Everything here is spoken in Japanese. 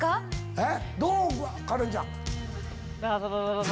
えっ？